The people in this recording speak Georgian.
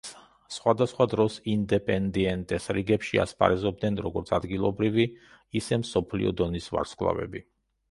სხვადასხვა დროს „ინდეპენდიენტეს“ რიგებში ასპარეზობდნენ როგორც ადგილობრივი, ისე მსოფლიო დონის ვარსკვლავები.